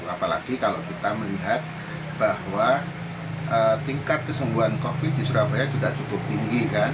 apalagi kalau kita melihat bahwa tingkat kesembuhan covid di surabaya juga cukup tinggi kan